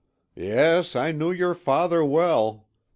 "Yes, I knew your father well.